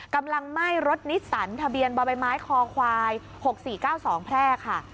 กำลังไหม้รถนิสสันทะเบียนบ่อใบไม้คอควาย๖๔๙๒แพร่ค่ะ